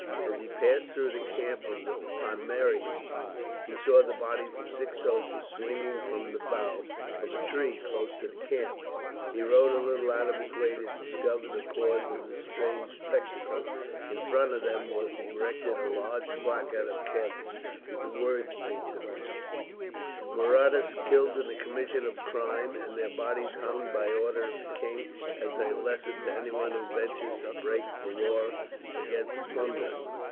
As he passed through the camp of the Pomeranians, he saw the bodies of six soldiers swinging from the bough of a tree, close to the camp. He rode a little out of his way to discover the cause of this strange spectacle. In front of them was erected a large placard of canvas, with the words painted upon it: "Marauders killed in the commission of crime, and their bodies hung by order of the king, as a lesson to anyone who ventures to break the law against plundering."